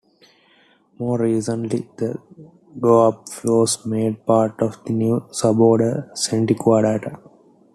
More recently, the group was made part of the new suborder Senticaudata.